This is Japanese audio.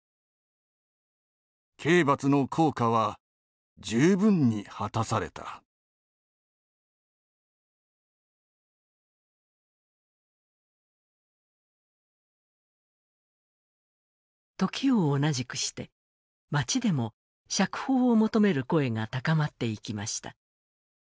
刑罰の効果は十分に果たされた」時を同じくして町でも釈放を求める声が高まっていきました。